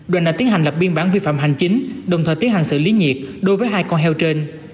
đoàn đã tiến hành lập biên bản vi phạm hành chính đồng thời tiến hành xử lý nhiệt đối với hai con heo trên